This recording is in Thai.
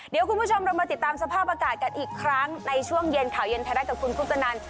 เดี๋ยวคุณผู้ชมเรามาติดตามสภาพอากาศกันอีกครั้งในช่วงเย็นข่าวเย็นไทยรัฐกับคุณคุปตนัน